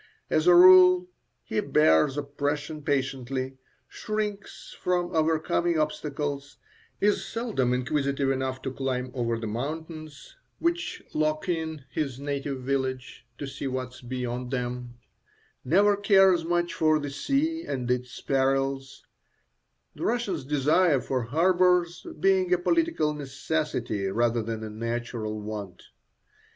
As a rule, he bears oppression patiently, shrinks from overcoming obstacles, is seldom inquisitive enough to climb over the mountains which lock in his native village to see what is beyond them, never cares much for the sea and its perils, the Russian's desire for harbours being a political necessity rather than a natural want.